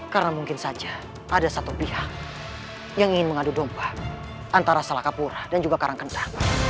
karena mungkin saja ada satu pihak yang ingin mengadu domba antara salakapura dan juga karangkenda